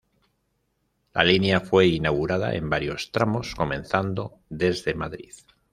La línea fue inaugurada en varios tramos, comenzando desde Madrid.